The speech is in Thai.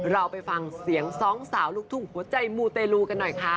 เราไปฟังเสียงสองสาวลูกทุ่งหัวใจมูเตลูกันหน่อยค่ะ